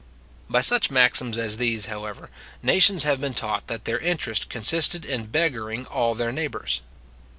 By such maxims as these, however, nations have been taught that their interest consisted in beggaring all their neighbours.